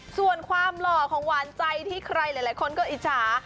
ส่วนความหล่อของหวานใจที่ใครหลายคนก็อิจฉา